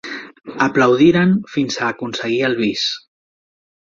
Aplaudiren fins a aconseguir el bis.